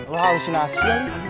wah usina asli kan